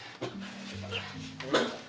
waktunya todas ok